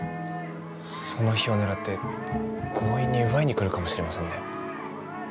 その日を狙って強引に奪いに来るかもしれませんね。